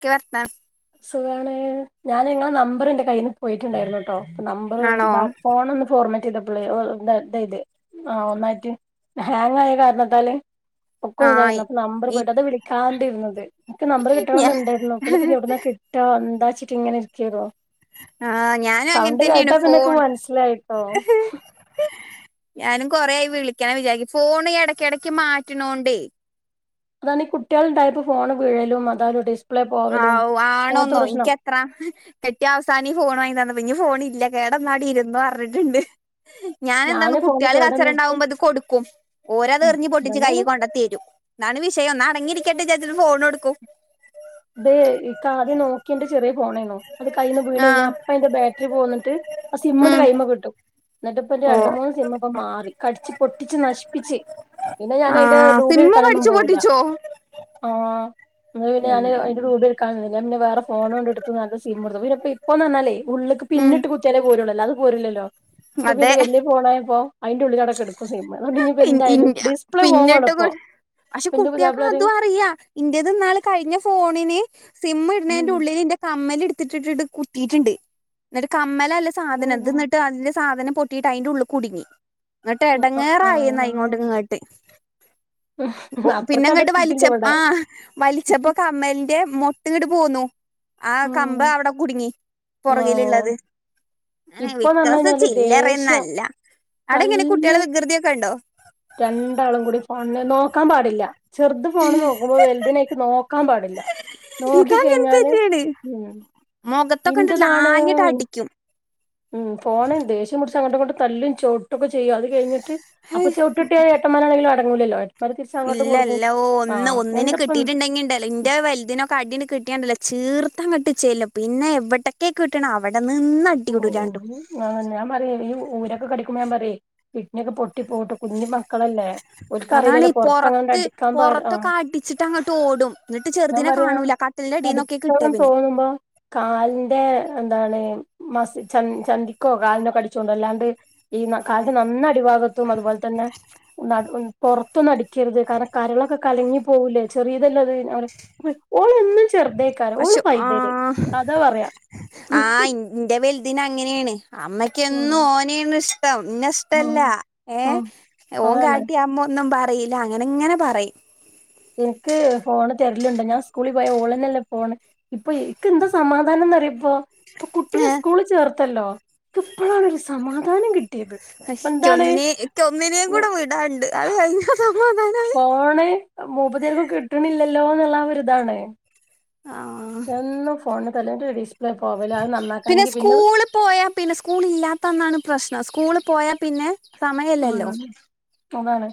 കേ വത്താ സുഖാണ് ഞാൻ നിങ്ങളെ നമ്പർ എന്റെ കയ്യിൽന്ന് പോയിട്ടുണ്ടായിരുന്നു. നമ്പര് ആണോ ഫോണ ഒന്ന് ഫോർ പെ ഇത ഇത് ആഹ ഒന്നായിട്ട് ഹാങ് ആയ കാരണത്താല് ഒക്കും ആഹ് ഇതായിരുന്നു അപ്പൊ നമ്പർ ഇ പോയിട്ട് അത് വിളിക്കാണ്ട ഇരുന്നത് നമ്പർ ഞാ കിട്ടണംന്നുണ്ടായിരുന്നു പിന്നെ പിന്നെട ട്ടോ എന്താ വച്ചിട്ട് ഇങ്ങനെ ഇരിക്കല്ലോ? ആഹ ഞാനും അങ്ങനെ തന്നെയാണ് പിന്നെക്ക് ഫോണ് മനസ്സിലായിട്ടോ ഞാനും കൊറെയായി വിളിക്കണം വിചാരിക്ക ഫോണ് ഇടക്കിടക്ക് മാറ്റണോണ്ടേ അതാണ്ണ ഈ കുട്ടികളുടെണ്ടായപ്പ ഫോൺ വീഴലും മതാലും ഡസ് ആ ആണോന്നോ എനിക്കെത്ര കെറ്റിയ അവസാന ഫോൺ വാങ്ങി തന്ന ഇനി ഫോൺ ഇല്ല കേടാ നാടി ഇരുരുന്നു പറഞ്ഞിട്ടുണ്ട് ഞാൻ എന്താന്ന് ഞാന് ഫോണ് കുട്ടികൾ കേടന്നിട്ട് കച്ചറംണ്ടാവുമ്പോ ഇത് കൊടുക്കും ഓരത് ഉം എറിഞ്ഞ് പൊട്ടിച്ച് അതന്നെ കൈയിൽ കൊണ്ട തരും. എന്നന്താണ് വിഷയം ഒ അടങ്ങിയിരിക്കട്ടെ വി ചേത്തിന് ഫോൺ കൊടുക്കൂ ഇതെ ഇ ആദ്യം നോക്കിന്റെ ചെറിയ പോണേന്നോ അത് കയ്യിൽന്ന് വീണ് കഴിഞ്ഞാ ആഹ് അപ്പ അന്റെ ബാറ്ററിൽ പോകന്നിട്ട് ആ സിമ്മിന്റെ ഉം കൈമ കിട്ടും എന്നിട്ട് ഇപ്പൊ രണ്ട ഓഹ് മൂന്ന് സിമ ഇപ്പ മാറി കടിച്ച് പൊട്ടിച്ച് നശിപ്പിച്ച് പിന്നെ ഞാൻ അയിന്റെ ആഹ് ഡൂബി സിമ്മും എടുക്കാനൊന്നും കടിച്ചു പോവില്ല പൊട്ടിച്ചോ ആ ഞാന് ഉം അതിന്റെ രൂപ എടുക്കണുന്നില്ല പിന്ന വേറെ ഫോൺ കൊണ്ടടു നല്ല സിം എടുത്തുന്നപ്പ ഇപ്പൊന്നല്ലേ ഉള്ളേക്ക് ഉം പിന്നിട്ട് കുത്തിയാലേ പോരുള്ളല്ലോ അത് പോലല്ലല്ലോ അപ്പൊ അതെ പിന്നെ വല്യ പോണായപ്പോ അതിന്റെ ഉള്ളിൽ കടക്ക എടുക്കും സിം അതൊണ്ട് ഇ ഇപ്പോ ഇൻ ഇൻ എന്താലും ഡിസ്പ്ലേ പിന്നിട്ട് കൊ പോകണപ്പോ പക്ഷെ കുട്ടിയക്കെ അതും അറിയാ ഇന്റെതിനാള് കഴിഞ്ഞ ഫോണിന് സിം ഉം ഇടുന്നതിന്റെ ഉള്ളിൽ എന്റെ കമ്മൽ എടുത്തിട്ട കുട്ടീട്ടുണ്ട് എന്നട്ട് മ്മലല്ല ആഹ് സാധനംതിന്നിട്ടു അതിന്റെ സാധനം പൊട്ടിട്ട് അതിന്റെ ഉള്ള കുടുങ്ങി എന്നിട്ട്ടങ്ങേറ ഇങ്ങോട്ടും ഇങ്ങട്ട് പിന്നെ അത്രക്കണ്ട് അങ്ങോട്ട് വലിച്ച എത്തിയിട്ടില്ല ഇവിടെ ആ വലിച്ചപ്പോ കമലിന്റെ അട്ടങ്ങട്ട് പോന്നുന്നു ആ ഉം കമ്പ് അവിടെ കുടുങ്ങി. ആഹ് പുറകിലുള്ളത് അനെ ഇപ്പൊന്ന് പറഞ്ഞ് വിക്സ കഴിഞ്ഞാല് ദേഷ്യം ചില്ലറുന്നല്ല. അട ഇങ്ങനെ തല്ല് കുട്ടികള വികൃതിയക്കെ ഉണ്ടോ? ക്കാൻ പാടില്ല ചെറുത് ഫോണ് നോക്കുമ്പോ വലുതിനേ നോ ക്കാൻ പാടില്ല ഇതങ്ങനെ നോക്കിക്കഴിഞ്ഞാല് തന്നെയാണ് ഉ മുഖത്തൊക്കെ എന്റെ കണ്ടിട്ടില്ല നാണ് ആഞ്ഞിട്ട് അടിക്കും ഉം പോണ് ദേഷ്യംപിടിച്ചങ്ങട്ട കൊണ്ട് തല്ലും ചോട്ടൊക്കെ ചെയ്യും അത് കഴിഞ്ഞ ഹൈ, അപ്പ ചുവട്ടിട്ട എട്ട്മാനാണെങ്കിലും അടങ്ങൂലല്ലോ ഏട്ടന്മാര് തിരിച്ച് അങ്ങോട്ടും കൊടുക്കും ഇല്ലല്ല ഓ ഒന്ന് ആഹ് ഒന്നിന് എന്തപ്പം കിട്ടീയിട്ടുണ്ടെങ്കി ഉണ്ടല്ലോ ഇന്റെ വലുതിനൊക്കെ അടിന് കിട്ടിയണ്ടല്ലോ? ചീർത്തം കിട്ടിച്ചേല്ല പിന്നെ എവിടക്കൊക്കെ കിട്ടണം അവിടെ നിന്ന് ഉ അടികൂടും രണ്ടും അങ്ങന ഞാൻ പറ ഈ ഊര കിക്ക പറ വട്ടനക്ക് പൊട്ടി പോട്ട് കുഞ്ഞി മക്കളല്ലേ അതാണ് ഒക്കറിയില്ലല്ലോ ഈ പറത്തങ്ങ പുറത്ത് അടിക്കാൻ പ പുറത്തൊക്കെ അടിച്ചിട്ട് അങ്ങോട്ട് ഓടും എന്നിട്ട് ആ ചെറുതിനെ പറയാ കാണൂല കട്ടിലിന്റെ അടിയിൽ നിന്നൊക്കെ കിട്ടിയ അടിക്കളം പിന്നെ തോന്നുമ്പോ കാലിന്റെ എന്താണ് മസി ച ചൻദിക്കോ കാലിനോക്ക അടിച്ചോണ്ടി അല്ലാണ്ട് ഈ കാൽൻ്റെ നന്ന അടിഭാഗത്തും അതുപോലെ തന്നെ നടു പൊർത്തൊന്നടി ക്കരുത് കാരണം കരളൊക്കെ കലങ്ങി പോകൂല്ലേ ചെറിയതല്ലേ അത് ഞാൻ പറിം ഓള് എന്നും ചെറുതേക്കാരം ഓള് പൈതല് അതാ പറയാ ആഹ് ഇൻ ൻ തിന് അങ്ങനെയാണ് ഓ അമ്മയ്ക്കെന്നും ഓനെയാണ് ഇഷ് ടം ഇന്നെ ഇഷ്ടല്ല ആഹ് ഏ ആഹ് ഓൻ അതാണ് കാട്ടിയാ അമ്മ ഒന്നും പ റീല അങ്ങനെ ഇങ്ങനെ പറയും ഇൻക് ഫോണ് തെരല്ണ്ടൊ ഞാൻ സ്കൂളിൽ പോയ ഓളെന്നെല്ലേ ഫോണ് ഇപ്പൊ ഇൻക് എന്താ സമാധാനം ന്നറിയൊപ്പോ ഇപ്പോ കുട്ടിനെ ഏ സ്കൂളിൽ ചേർത്തല്ലോ ൻക് ഇപ്പളാണ് ഒരു സമാധാനം കി അശ് ക്കൊന്നിനേ ക്കൊന്നിനെ കൂടെ വിടാണ്ട് അത് കഴിഞ്ഞ സമാധാനായി ഫോണ് മൂപ്പത്യാർക്കും കിട്ട്ണില്ലല്ലോ എന്നുള്ള ഒരു ഇതാണ് ആ എന്നും ഫോണിന് തല്ല ന്റെ ഡിസ് പിന്നെ സ്കൂള് പോയാ പിന്നെ സ്കൂൾ ഇല്ലാത്തന്നാണ് പ്രശ്നം സ്കൂള് പോയാ പിന്നെ സമയല്ലല്ലോ ഉം അതാണ്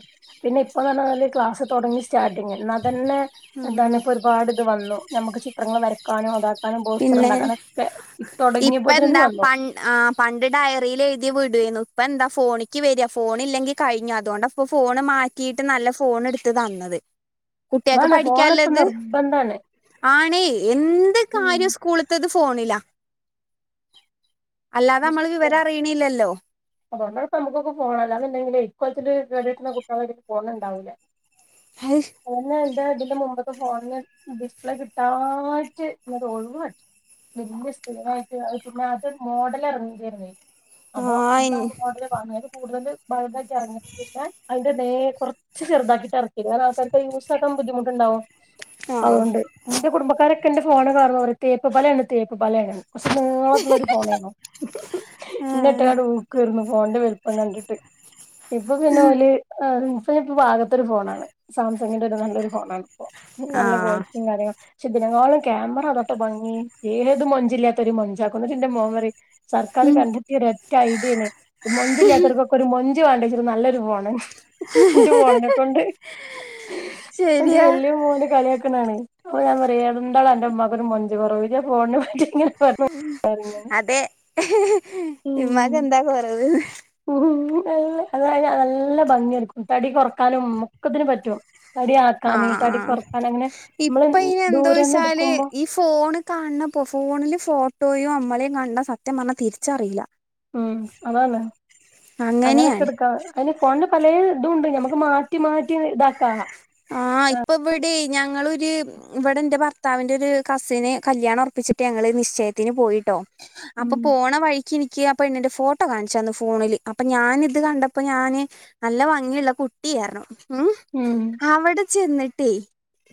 പിന്നെ ഇപ്പൊന്ന് പറഞ്ഞ നൽ ക്ലാസ് തൊടങ്ങിയ സ്റ്റാർട്ടിങ്ങ് ന്നാ തന്നെ എന്താണ് ഉം ഇപ്പൊ ഒരുപാട് ഇത് വന്നു നമുക്ക് ചിത്രങ്ങൾ വരക്കാനോ താ പിന്നെ ഇപ്പ തുടങ്ങിയപ്പോത്തന്നെ എന്താ വന്നു പൺ ആ പണ്ട് ഡയറിൽ എഴുതി വിടു ഏനി ഇപ്പ എന്താ ഫോണിക്ക് വരിക ഫോൺ ഇല്ലെങ്കി കഴിഞ്ഞു അതുകൊണ്ടപ്പോ ഫോണ് മാറ്റിയിട്ട് നല്ല ഫോണ് ഇട്ത്ത് തന്നത് കുട്ടിയേക് അതാണ് ഫോണിപ്പ പഠിക്കല്ലത് നിർബന്ധാണ് ആണേ എന്ത് ഉം കാര്യം സ്കൂള്ത്തത് ഫോണില അത്ശരിയാ അതോണ്ടാണ് നമക്കൊക്കെ ഫോൺ അല്ലാന്ന്ണ്ടെങ്കിലെ ഇക്കോലത്തിൽ കേടര്ത് ണ കുട്ട്യാളട് ത് ഫോണ് ണ്ടാവൂല ഹൈ, ഏ ഇതിന്റെ മുമ്പത്തെ ഫോണിന് ഡിസ്പ്ലേ കിട്ടായിട്ട് ഇത് [unintelligible] മാറ്റി വല്യ സ്പീഡായിട്ട് പിന്നെ അത് മോഡ ലെറങ്ങിതേനി ആ അപ്പൊ അതിന്റെ ഇൻ- മോഡൽ കാണും അതിന്റെ കൂടുതൽ വഴുതാക്കി ഇറങ്ങിട്ട പിന്നെ അതിന്റെ ദേ കുറച്ച് ചെറുതാക്കിട്ട് എർ പിന്നെ ആൾക്കാർക്ക് യൂസ് ആക്കാൻ ബുദ്ധിമുട്ടുണ്ടാവും ആ അതുകൊണ്ട് ന്റെ കുടുംബക്കാരൊ ക്കെന്റെ ഫോണ് കാണുമ്പം പറിം ഒ തേപ്പ് പലയാണ് തേപ്പ് പലയാണ് കൊറച്ച് നീളത്തില്ള്ള ഒരു ഫോണേന്നു ഏ ഇന്നെട്ട്കാണ്ട് ഊക്കേര്ന്നു ഫോണിന്റെ വല്പ്പം കണ്ടിട്ട് ഇപ്പൊ പിന്നെ ഓല് ആ റിൻസന് ഇപ്പോ പാകത്തൊരു ഫോണാണ് സാംസങ്ങിന്റെ ഒരു നല്ലൊരു ഫോണാണിപ്പോ അത് ആ നല്ല കോള്റ്റിം കാര്യങ്ങ പക്ഷെ ദിനേക്കാളും ക്യാമറ അതാട്ടോ ഭംഗി ഏത് മൊഞ്ചില്ലാത്തോരിം മൊഞ്ചാക്കും. ന്നിട്ട് ന്റെ മോൻ പറയും സർക്കാർ ഉം. കണ്ടെത്തിയ ഒരൊറ്റ ഐഡിയേണ് ഈ മൊഞ്ചില്ലതോൽക്കൊക്കൊരു മൊഞ്ച് വേണ്ടേച്ചൊരു നല്ലൊരു ഫോണ് ന്റെ ഫോണിനെക്കൊണ്ട് അത് ശരിയാ വല്യ മോൻ കളിയാക്കും അതാണ് അപ്പ ഞാന് പറയും എന്താടാ അന്റെ ഉമ്മാക് ഒരു മൊഞ്ചു കുറവ് ഇജ്ജ് ആ ഫോൺ നെ [unintelligible] അതെ ഇമ്മാക് എന്താ കൊറവ് നല്ല അത നല്ല ഭംഗിയടിക്കും തടി കുറക്കാനും ഒക്കത്തിനും പറ്റും തടി ആ ആക്കാന് തടി ആഹ് കുറക്കാൻ അങ്ങനെ നമ്മള് ഇപ്പ അയ്ന് ദൂരന്ന് എന്തോയ്ച്ചാൽ എടുക്കുമ്പോ ഈ ഫോണ് കാൺണകാൺണ ഫോണില് ഫോട്ടോയോ മ്മളേം കണ്ട സത്യം പറഞ്ഞാൽ തിരിച്ചറിയില്ല ഉം അതാണ് അങ്ങനെയൊക്കെ അങ്ങനെയാണ് എടുക്കാ അതിന് ഫോണില് പലേ ഇതുണ്ട് ഞമ്മ മാറ്റി മാറ്റി ഇതാക്കാ ആഹ് ഇപ്പൊ ഇവിടെ ഞങ്ങള് ര് ഇവടെ ന്റെ ഭർത്താവിന്റെ ഒരു കസിന് കല്യാണം ഒർപ്പിച്ചിട്ട് ഞങ്ങള് നിശ്ചയത്തിന് പോയിട്ടോ ഉം അപ്പൊ പോണ വഴിക്ക് എനിക്ക് അ പെണ്ണിന്റെ ഫോട്ടോ കാണിച്ചെന്ന് ഫോണില് അപ്പൊ ഞാൻ ഇത് കണ്ടപ്പോ ഞാന് നല്ല ഭംഗിയുള്ള കുട്ടിയർഞ്ഞു ഉം ഉം അവിടെ ചെന്നിട്ടേ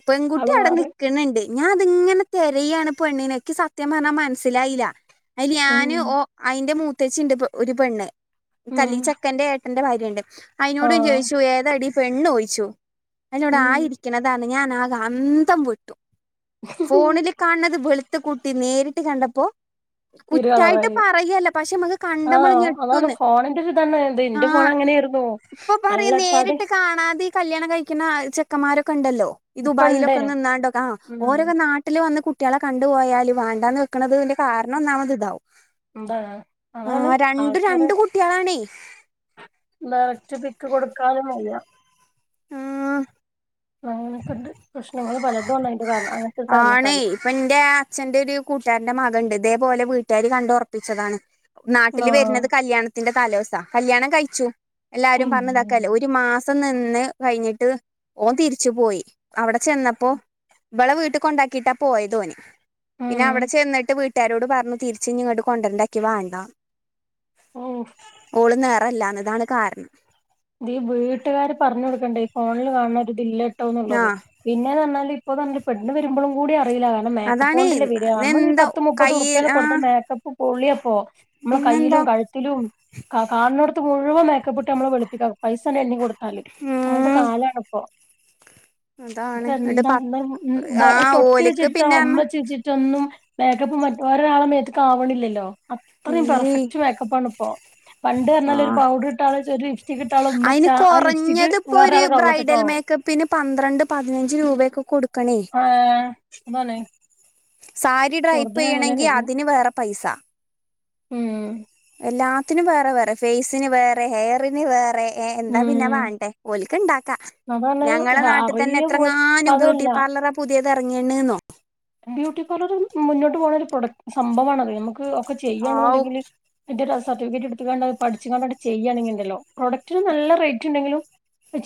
പെൺകുട്ടി ആള് അവിടെ മാറി നിക്ക്ണ് ണ്ട് ഞാൻ തിങ്ങനെ തെരയാണ് പെണ്ണിനെ ക്ക് സത്യം പറഞ്ഞാ മനസ്സിലായില്ല അയ്ൽ ഉം ഞാന് ഓഹ് അയിന്റെ മൂത്തച്ചി ണ്ട് ഒരു പെണ്ണ് ഉം കല്ലി ചെക്കന്റെ ഏട്ടന്റെ ഭാര്യണ്ട് അയിനോട് ആഹ് ചോയിച്ചു ഏതാടി പെണ്ണ് ഓയിച്ചു അഹ് ന്നോട് ഉം ആ യിരിക്കണത ഞാൻ ആക അന്തം വിട്ടു ഫോണിൽ കാണുന്നത് വെൾ ത്ത് കൂട്ടി നേരിട്ട് കണ്ടപ്പോ ഇരു കുറ്റായിട്ട് കളറായി പറയല്ല പക്ഷെ മ്മക്ക് കണ്ടാ മ്മൾ ആഹ് ഞെട്ടും അതാണ് ന്ന് ഫോണിന്റെ ഒരു ഇതാണ് ഇത് ഇന്റെ ഫോൺ ആഹ്‌ അങ്ങനെയായിരുന്നു ഇപ്പൊ പറയാ നല്ല തടി നേരിട്ട് കാണാതെ ഈ കല്യാണം കഴിക്ക [unintelligible] ചെക്കമാരൊക്കെ ഇണ്ടല്ലോ ഈ ഇപ്പ ദുബായിലൊക്കെ ഇണ്ടേനും നിന്നാണ്ടോകെ ആഹ് ഉം ഓരോകെ നാട്ടിൽ വന്ന് കു കുട്ടിളെ കണ്ടുപോയാൽ വാണ്ടാന്ന് വെക്കുന്നതിന്റെ കാരണം ഒന്നാമത് ഇതാവും എന്താണ് അതാണ് ആഹ് രണ്ടു രണ്ടു കുട്ട്യാളാണേ ഡറക്റ്റ് പിക്ക് കൊടുക്കാനു വയ്യ ആഹ് അങ്ങന കെ ണ്ട് പ്രശ്നങ്ങള് പലതും [unintelligible] ഒരു ആണെ കാരണത്താല് ഇപ്പൊ ഇന്റെ അച്ഛന്റെ ഒരു കൂട്ടുകാരന്റെ മ ത്ണ്ട് ഇതേ പോലെ വീട്ടാര് കണ്ട് ഉറപ്പിച്ചതാണ് നാട്ടിൽ ആഹ് വരുന്നത് കല്യാണത്തിന്റെ തലോസ കല്യാണം കഴിച്ചു എല്ലാരും ഉം പറഞ്ഞതാക്കല്ലേ ഒരു മാസ നിന്ന് കഴിഞ്ഞിട്ട് ഓൻ തിരിച്ചു പോയി അവിടെ ചെന്നപ്പോ ഇവളെ വീ ട്ട് കൊണ്ടാക്കിയിട്ടാ പോയതോന് പിന്നെ അവിടെ ചെന്നിട്ട് വീട്ടുകാരോട് പറഞ്ഞു തിരിച്ച്ഞ്ഞി ങ്ങട്ട് കൊണ്ടര്ണ്ടാ ക്കിവാണ്ടാ ഓ ഓള് നെറല്ലാന്നതാണ് കാരണം ഫോണില് കാണ്ണ ആ ഒര്തില്ലാട്ടോന്നുള്ളത് പിന്നെന്ന് പറഞ്ഞാല് ഇപ്പ [unintelligible] പെണ്ണ് വരുമ്പളും. കൂടി അറീലാ കാര്ണം അതാണ് മേക്കപ്പോണ്ടല്ലേ വരാ നമ്മള് ഈ ഇതെന്താ പത്ത് മുപ്പത് ഉർപ്പ്യ കയ്യിൽ ആ കൊടുത്താ മേക്കപ്പും പൊളിയപ്പോ നമ്മളെ കയ്യിലും പിന്നെന്താ കഴുത്തിലും കാ കാണിനോട്ത്ത് മുഴുവൻ മേക്കപ്പ്ട്ട് നമ്മളെ വെളു പ്പിക്കാ പൈസ്സാണ്ട് എണ്ണി കൊടുത്താല് അങ്ങൻതെ ഉം കാലാണ്പ്പൊ അപ്പൊ അതാണ് എന്നിട്ട് എന്താ പത്ത് ന്താണ് പൊ ആ ഓലിക്ക് തൊട്ട്ച്ചിട്ടോ പിന്നെ ഉമ്മച്ച്ച്ചിട്ടോ ഒന്നും മേക്കപ്പ് മറ്റേ ഒരാളെ മേത്ത്ക്ക് ആവണില്ലല്ലോ അത്രയും ഇല്ലേ പെർഫെക്റ്റ് മേക്കപ്പാണ് ഇപ്പോ പണ്ട് പർഞ്ഞാല് ഒരു ആഹ് പൗഡറ് ഇട്ടാല് [unintelligible] ലിസ്റ്റിക്ക്ട്ടാല് അയിന് ഉമ്മച്ചാ ആ ലിപ്സ്റ്റിക് കൊറഞ്ഞത് ഇപ്പൊ ഒരു വേറരാളെ ബ്രൈഡൽ കവിളത്ത്ക്കാവും മേക്കപ്പിന് പന്ത്രണ്ട് പതിനഞ്ച് രൂപയൊക്കെ കൊടുക്കണേ ആഹ് അതാണെയ് സാരി ഡ്രൈപ്പ് ചെയ്യണെങ്കി അതിന് വേറെ പൈസ ഉം എല്ലാത്തിനും വേറെ വേറെ ഫേസിന് വേറെ ഹെയറിന് വേറെ ഏ എന്താ പിന്നെ ഉം വേണ്ടേ ഓൽക്ക്ണ്ടാക്കാ അതാണ് ഞങ്ങളെ നാട്ടിതന്നെ അറിയ പോ ഇപ്പ എത്രങ്ങാനും ബ്യൂട്ടി അതല്ല പാർലറാ പുതിയത് ഇറങ്ങിയണ്ന്നോ ബ്യൂട്ടി പാർലറ് മുന്നോട്ട് പോകണ ഒരു പ്രൊഡക് സംഭവമാണത് നമുക്ക് ഒക്കെ ഹാവൂ ചെയ്യാണെന്നുണ്ടെങ്കില് [unintelligible] സർട്ടിഫിക്കറ്റ് എടുത്താണ്ട് പഠിച്ച്ക്കാണ്ട് ചെയ്യയാണ് ണ്ടങ്കിലോ പ്രൊഡക്റ്റ്ന് നല്ല റേറ്റ് ഉണ്ടെങ്കിലും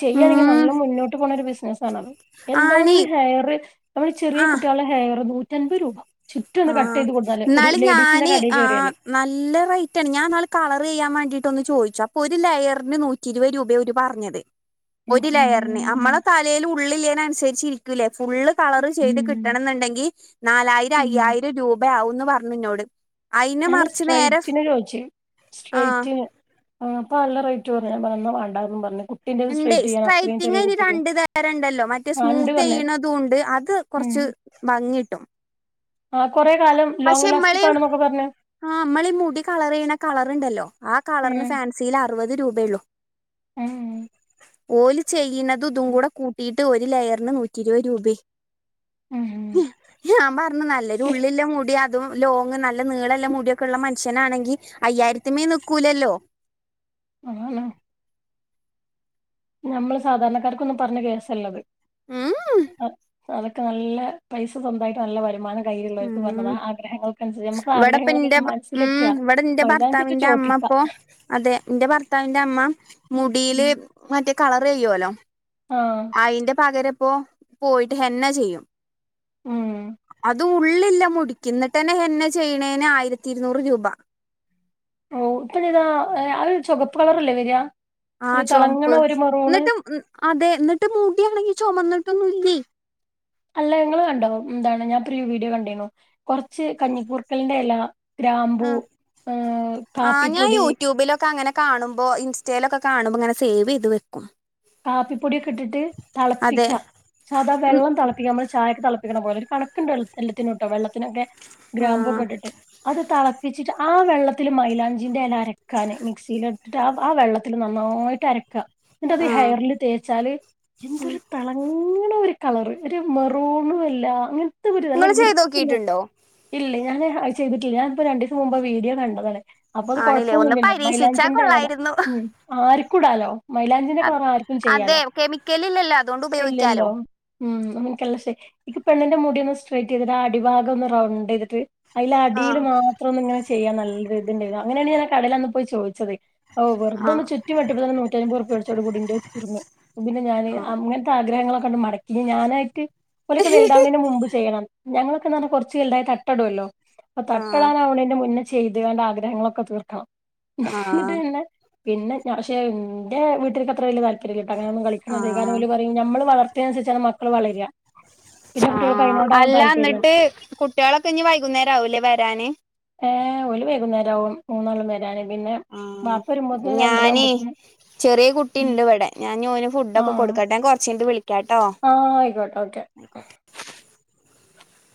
ചെയ്യാണെങ്കില് ഉം നല്ല മുന്നോട്ട് പോകണ ഒരു ബിസിനസ്സാണത് എന്താ ആണേ ഒന്ന് ഹെയർ നമ്മള് ചെറിയ ആ കുട്ട്യാളെ ഹെയർ നൂറ്റൻപത് രൂപ ചുറ്റും ഒന്ന് കട്ട് ആഹ് ചെയ്ത് കൊടുത്താല് ഒരു ന്നാള് ലേഡീസിന്റെ ഞാന് കടയിൽ ആ കയറിയാല് നല്ല റേറ്റാണ് ഞാൻന്നാള് കളർ ചെയ്യാൻ വേണ്ടിട്ട് ട്ടൊന്ന് ചോദിച്ചു അപ്പൊ ഒരു ലെയറിന് നൂറ്റി ഇരുപത് രൂപേ ഓര് പർഞ്ഞത് ഒരു എൻ്റെ ലയറിന് മോനെ. നമ്മളെ തലേല് ഉള്ളില്ലേനനുസരിച്ചിരിക്കൂലേ ഫുള്ള് കളറ് ചെയ്ത് ഉം, കിട്ടണന്ന്ണ്ടെങ്കി നാലായിരയ് ഉം. രു രൂപയാവുംന്ന് പർഞ് ഇന്നോട്. അയിന് ഞാന് മറിച്ച് നേരെ സ്ട്രൈറ്റിന് ചോയിച്ച് ആഹ് സ്ട്രൈറ്റ്ന്. ആഹ് അപ്പ നല്ല റൈ റ്റുന് ഞാൻ പറന്ന വാണ്ടന്നും പർഞ്. ഇണ്ട് സ്ട്രൈറ്റിംങ് അയിന് രണ്ട് തരം ഇണ്ടല്ലോ മറ്റേ ആ ഉണ്ട് പറഞ്ഞു സ്മൂത്തെയ്യണതുണ്ട് അത് കൊർച്ച് ത് ഭംങ്ങിട്ടും ആഹ് അലം ലോങ്ങ്‌ ലാസ്റ്റിക്കാണ്ന്നൊക്കെ പർഞ് ആഹ് അമ്മള് ഈ മുടി കളറെയ്യണ കളറ്ണ്ടല്ലോ ആ കളർന് ഉം ഫാൻസിയില് അറുപത് രൂപെയൊള്ളു. ഉം ഓൽ ചെയ്യുന്നതും ഇതും കൂടെ കൂട്ടിയിട്ട് ഒരു ലെയറിന് നൂറ്റി ഇരുപത് രൂപ ഉം ഞാൻ പറഞ്ഞ് നല്ലൊരു ഉള്ളില്ല മൂടി അതും ലോങ്ങ് നല്ല നീളല്ല മുടിയൊക്കെ ഉള്ള മനുഷ്യനാണെങ്കി അയ്യായിരത്തിമേൽ നിക്കൂലല്ലോ. ഞമ്മള് സാധാരണക്കാർകൊന്നും പറഞ്ഞ കേസല്ലത് ഉം അതൊക്കെ നല്ല പൈസ സ്വന്തമായിട്ട് നല്ല വരുമാനം കയ്യിലുള്ളവർക്ക് പറഞ്ഞത ഉം ആഗ്രഹങ്ങൾക്കനുസരിച്ച് നമുക്ക് ഇവിടെപ്പ ആഗ്രഹങ്ങ ഇന്റെ മനസ്സിലെക്കുക മൈലാഞ്ചിട്ട് ചോപ്പിക്കാ അപ്പോ അതെ എന്റെ ഭർത്താവിന്റെ അമ്മ മുടിയില് മറ്റേ കളർ ചെയ്യുവല്ലോ ആഹ് അയിന്റെ പകരപ്പോ പോയിട്ട് ഹെന്ന ചെയ്യും ഉം അത് ഉള്ളില്ല മുടിക്ക് ന്നിട്ട്ന്നെ ഹെന്ന ചെയ്യണേന് ആയിരത്തി ഇരുന്നൂറ് രൂപ ഓ ഇപ്പം ചെയതാ ആ ചുകപ്പ് കളറല്ലേ വെര ആ ചുവപ്പ് ന്നിട്ട് അതെ എന്നിട്ട് മുടിയാണെങ്കി ചുമന്നിട്ടൊന്നുംല്ലെ അല്ല നിങ്ങൾ കണ്ടോ എന്താണ് ഞാൻ പ്രീ വീഡിയോ കണ്ടിന്നു കുറച്ച് കഞ്ഞിക്കൂർക്കലിന്റെ എല ഗ്രാമ്പു ഏ കാപ്പിപ്പൊടി കാണുമ്പോൾ ഇൻസ്റ്റയിലൊക്കെ കാണുമ്പോൾ ഇങ്ങനെ സേവ് ചെയ്ത് വെക്കും കാപ്പിപ്പൊടിയൊക്കെ ഇട്ടിട്ട് അതെ തിളപ്പിക്കുക സാധാ ഉം വെള്ളം തിളപ്പിക്കുക നമ്മള് ചായക്ക് തിളപ്പിക്കണ പോലെ. കണക്കുണ്ട് എല്ലത്തിനുട്ടോ വെള്ളത്തിനൊക്കെ ആ ഗ്രാമ്പൊക്കെ ഇട്ടിട്ട് അത് തെളപ്പിച്ചിട്ട് ആ വെള്ളത്തില് മൈലാഞ്ചിന്റെ എല അരക്കാന് മിക്സിൽ ഇട്ടിട്ട് ആ ആ വെള്ളത്തില് നന്നായിട്ട് അരക്കാ ആ ഹയറിൽ തേച്ചാല് എന്തൊരു തിളങ്ങണ ഒരു കളർ ഒരു മെറൂണ് അല്ല അങ്ങനത്തെ ഒരു നിങ്ങൾ നല്ലരു വൃത്തിള്ള ചെയ്തോക്കിട്ടുണ്ടോ ഇല്ലേ ഞാന് അത് ചെയ്തിട്ടില്ല ഞാന ഇപ്പോ രണ്ടീസം മുമ്പ് വീഡിയോ കണ്ടതാണ് അപ്പൊ അത് ആണില്ലേ ഒന്ന് കൊഴപ്പൊന്നുല്ലല്ലോ പരീക്ഷിച്ചാ മൈലാഞ്ചിന്റെ എല കൊള്ളായിരുന്നു ഉം ആർക്കുടാലോ മൈലാ അ അതെ കെമിക്കലില്ലല്ലോ അതുകൊണ്ട് ഉപയോഗിക്കാലോ ഇല്ലല്ലോ ഉം ന്ക് നല്ല ഇഷ്ടായി ഇന്ക് പെണ്ണിന്റെ മുടി ഒന്ന് സ്ട്രെറ്റ് ചെയ്തിട്ട് അടിഭാഗം ഒന്ന് റൗണ്ട് ചെയ്തിട്ട്. അയില് ആ അടിയില് മാത്രം ഒന്ന് ഇങ്ങനെ ചെയ്യാൻ നല്ല ഇദ്ണ്ടരുന്നു അങ്ങനെയാണ് ഞാൻ കടേല് അന്ന് പോയി ചോദിച്ചത് ഓ ആ വെറ്തൊന്ന് ചുറ്റിവെട്ടിയപ്പോതന്നെ നൂറ്റിയയ്ബോറ്പ്പിയ കൊടുത്ത് അതോട് കൂടി ൻ്റെ തീർന്ന് പിന്നെ ഞാന് ആ അങ്ങനത്തെ ആഗ്രഹങ്ങളെക്കെ മടക്കി ഞാനായിട്ട് ഓലക്കെ വല്തവ്നെന് മുമ്പ് ചെയ്യണം ഞങ്ങൾക്കെന്ന് പറഞ്ഞാ കുറച്ച് വൽദായാ തട്ടം ഇടുവലോ അപ്പൊ ആ തട്ടടാൻ ആവണ്ന്റെ മുന്നേ ചെയ്ത് ങ്ങാണ്ട് ആഗ്രഹങ്ങളൊക്കെ തീർക്കണം ആ ആ എന്നിട്ട് പിന്നെ പിന്നെ പക്ഷെ എന്റെ വീട്ടക്ക് അത്ര വലിയ താല്പര്യം ഇല്ല്യട്ടോ അങ്ങനെ ഒന്നും കളിക്കണത് കാരണം ഓൽ പരിം നമ്മള് വളർത്ത് വളർത്തിനെ അനുസരിച്ച മക്കൾ വളര ആ ആ അല്ല ന്നിട്ട് കുട്ടികളൊക്കെ ഇഞ് വൈകുന്നേര ആവൂലേ വരാന് ഏ ഓൽ വൈകുന്നേരവും മൂന്നാളും വേ ആ ഞാന് ആവുമ്പോത്തിന് ചെറിയ കുട്ടിണ്ട് ഇവിടെ ഞാൻ ഫുഡൊക്കെ ആഹ് കൊടുക്കട്ടെ ഞാൻ കൊറച് കയിഞ്ഞിട്ട് വിളിക്കാട്ടോ ആഹ് ആയിക്കോട്ടെ ഓക്കെ